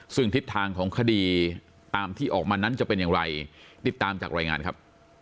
ซึ่งทิศทางของคดีตามที่ออกมานั้นจะเป็นอย่างไรติดตามจากรายงานครับ